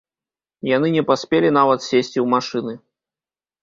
Яны не паспелі нават сесці ў машыны.